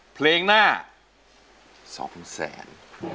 เพลงหน้า๒แสน